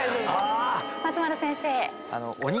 松丸先生。